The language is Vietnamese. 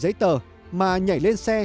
giấy tờ mà nhảy lên xe